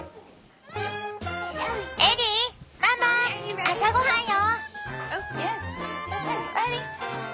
エリーママ朝ごはんよ！